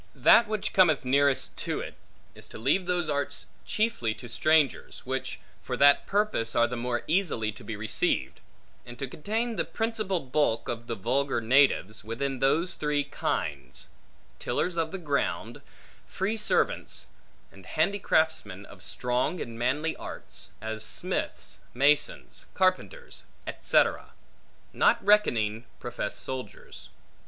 That which cometh nearest to it, is to leave those arts chiefly to strangers (which, for that purpose, are the more easily to be received), and to contain the principal bulk of the vulgar natives, within those three kinds, tillers of the ground; free servants; and handicraftsmen of strong and manly arts, as smiths, masons, carpenters, etc.; not reckoning professed soldiers.